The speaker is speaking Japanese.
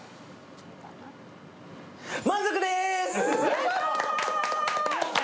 満足でーす！